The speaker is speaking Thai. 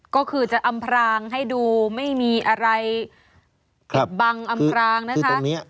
ก็คือจะอำพรางให้ดูไม่มีอะไรครับบังอำพรางนะฮะคือตรงเนี้ย